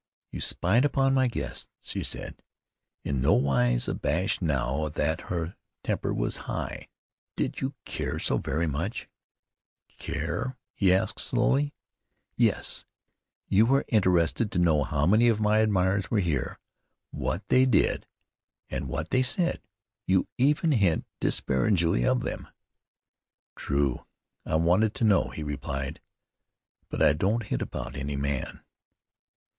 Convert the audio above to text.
"You spied upon my guests," she said, in no wise abashed now that her temper was high. "Did you care so very much?" "Care?" he asked slowly. "Yes; you were interested to know how many of my admirers were here, what they did, and what they said. You even hint disparagingly of them." "True, I wanted to know," he replied; "but I don't hint about any man."